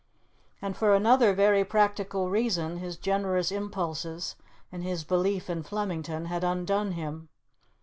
And for another very practical reason his generous impulses and his belief in Flemington had undone him.